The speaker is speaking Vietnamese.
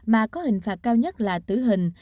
mà có hình phạt cao nhất là tử hình